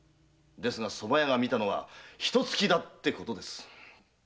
ですが蕎麦屋が見たのは一突きだってことです。